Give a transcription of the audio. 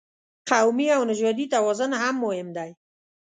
قومي او نژادي توازن هم مهم دی.